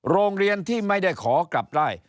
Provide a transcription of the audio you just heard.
โรงเรียนที่ไม่ได้ขอกลับได้